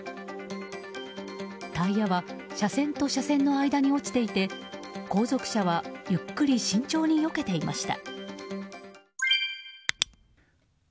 タイヤは車線と車線の間に落ちていて後続車はゆっくり慎重によけていました。